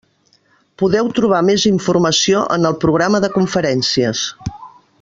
Podeu trobar més informació en el programa de conferències.